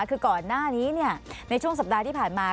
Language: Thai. คือก่อนหน้านี้ในช่วงสัปดาห์ที่ผ่านมา